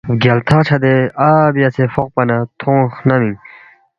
بگیال تھق چھدے نہ آ بیاسے فوقپانا تھونگ خنمینگ